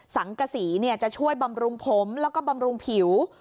สังกษีจะช่วยบำรุงผมแล้วก็บำรุงผิว